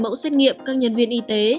mẫu xét nghiệm các nhân viên y tế